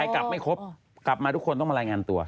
กลับไม่ครบกลับมาทุกคนต้องมารายงานตัว